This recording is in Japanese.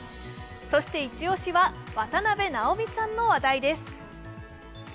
そしてイチ押しは渡辺直美さんの話題です。